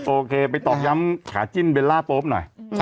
โอเคไปตอกย้ำขาจิ้นเบลล่าโป๊ปหน่อย